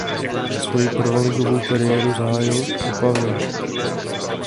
Svoji prvoligovou kariéru zahájil Opavě.